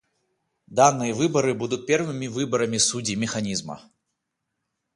Данные выборы будут первыми выборами судей Механизма.